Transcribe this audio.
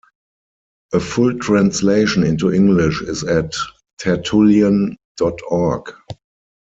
A full translation into English is at Tertullian dot org.